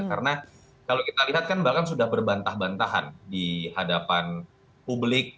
karena kalau kita lihat kan bahkan sudah berbantah bantahan di hadapan publik